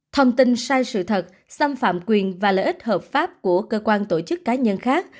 thông tin sai sự thật xâm phạm quyền và lợi ích hợp pháp của cơ quan tổ chức cá nhân khác